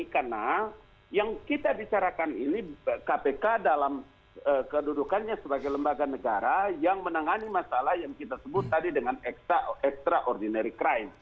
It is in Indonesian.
karena yang kita bicarakan ini kpk dalam kedudukannya sebagai lembaga negara yang menangani masalah yang kita sebut tadi dengan extraordinary crime